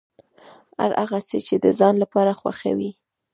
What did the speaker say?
هر هغه څه چې د ځان لپاره خوښوې.